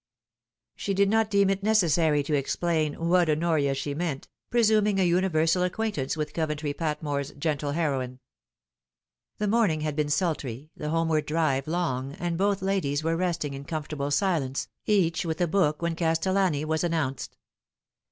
She did not deem it necessary to explain what Honoria she meant, presuming a universal acquaintance with Coventry Pat more 's gentle heroine. The morning had been sultry, the homeward drive long, and both ladies were resting in comfortable silence, each with a book, when Castellani was announced.